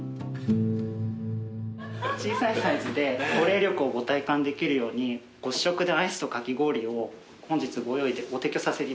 小さいサイズで保冷力をご体感できるようにご試食でアイスとかき氷を本日ご提供させて。